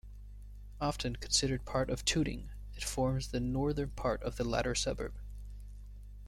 Often considered part of Tooting, it forms the northern part of the latter suburb.